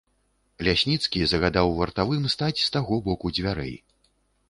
Лясніцкі загадаў вартавым стаць з таго боку дзвярэй.